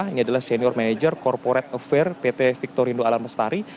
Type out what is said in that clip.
ini adalah senior manager corporate affair pt victorindo alamestari